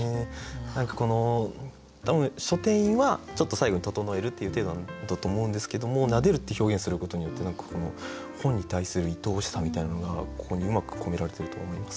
何かこの多分書店員はちょっと最後に整えるっていう体なんだと思うんですけども「撫でる」って表現することによって本に対するいとおしさみたいなのがここにうまく込められてると思います。